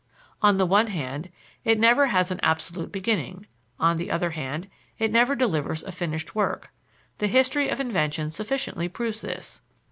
On the one hand, it never has an absolute beginning; on the other hand, it never delivers a finished work; the history of inventions sufficiently proves this.